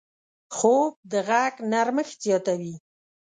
خوب د غږ نرمښت زیاتوي